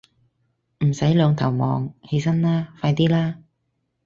唔使兩頭望，起身啦，快啲啦